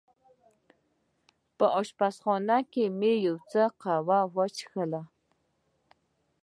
په اشپزخانه کې مې یو څه قهوه وڅېښل.